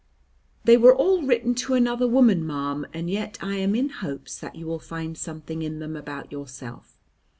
"They were all written to another woman, ma'am, and yet I am in hopes that you will find something in them about yourself."